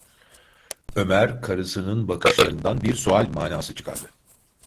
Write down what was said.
Ömer karısının bakışlarından bir sual manası çıkardı.